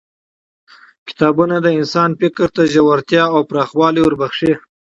کتابونه د انسان فکر ته ژورتیا او پراخوالی وربخښي